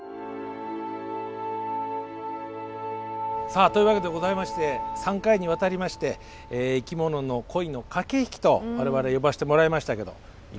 さあというわけでございまして３回にわたりまして生きものの恋の駆け引きと我々呼ばしてもらいましたけどいかがでしたか？